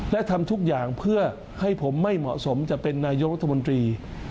และทำทุกอย่างเพื่อให้ผมไม่เหมาะสมจะเป็นนายกรัฐมนตรี